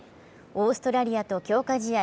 オーストラリアと強化試合